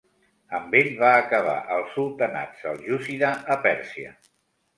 Amb ell va acabar el sultanat seljúcida a Pèrsia.